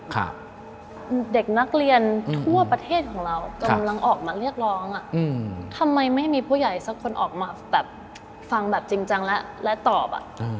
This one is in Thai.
อเจมส์เด็กนักเรียนทั่วประเทศของเรากำลังออกมาเรียกร้องทำไมไม่มีผู้ใหญ่ออกมาแบบฟังจริงจังและตอบ